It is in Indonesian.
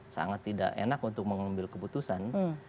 sangat tidak enak untuk mengambil keputusan